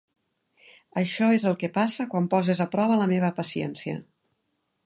Això és el que passa quan poses a prova la meva paciència.